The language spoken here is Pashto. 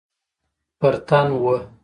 پر تن وه.